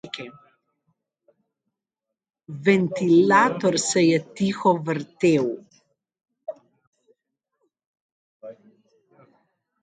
Ventilator se je tiho vrtel.